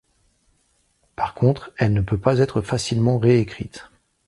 Par contre, elle ne peut pas être facilement ré-écrite.